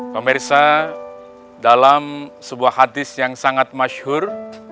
pemirsa dalam sebuah hadis yang sangat masyur